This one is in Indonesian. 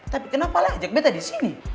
tapi kenapa lo ajak betta di sini